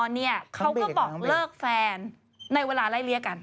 เนี่ยเขาก็บอกเลิกแฟนในเวลาไล่เลี่ยกัน